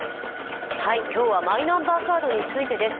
今日はマイナンバーカードについてです。